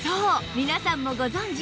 皆さんもご存じ